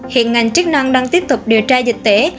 hiện ngành chức năng đang tiếp tục điều tra dịch tễ